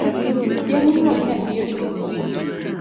Chieng’ nyuol nyathi ochopo